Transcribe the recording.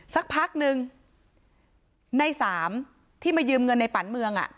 สักพักนึงในสามที่มายืมเงินในปันเมือง